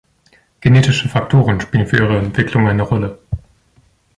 Genetische Faktoren spielen für ihre Entwicklung eine Rolle.